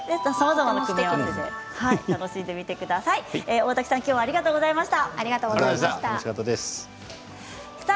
大滝さんありがとうございました。